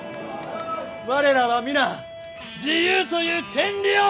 我らは皆自由という権利を持っちゅう！